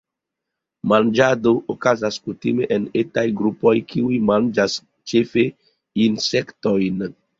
Manĝado okazas kutime en etaj grupoj kiuj manĝas ĉefe insektojn.